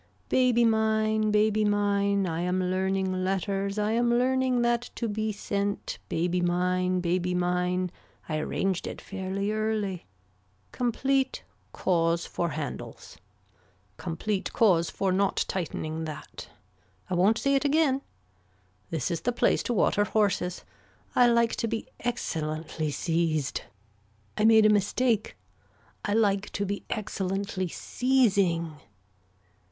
Baby mine baby mine I am learning letters I am learning that to be sent baby mine baby mine I arranged it fairly early. Complete cause for handles. Complete cause for not tightening that. I won't say it again. This is the place to water horses. I like to be excellently seized. I made a mistake. I like to be excellently seizing.